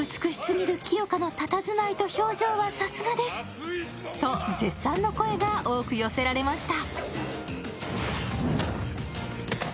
コメントには絶賛の声が多く寄せられました。